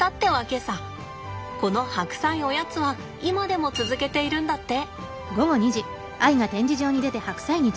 この白菜おやつは今でも続けているんだって。